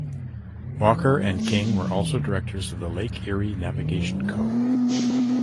Walker and King were also directors of the Lake Erie Navigation Co.